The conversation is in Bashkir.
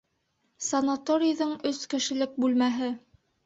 Санаторийҙың өс кешелек бүлмәһе.